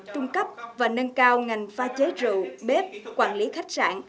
trung cấp và nâng cao ngành pha chế rượu bếp quản lý khách sạn